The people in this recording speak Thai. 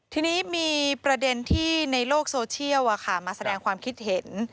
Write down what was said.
ทีนี้มีประเด็นที่ในโลกโซเชียลมาแสดงความคิดเห็น